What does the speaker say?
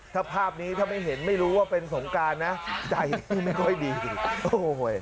ถ้าภาพนี้ถ้าไม่เห็นไม่รู้ว่าเป็นสงการนะใจนี่ไม่ค่อยดีจริงโอ้โห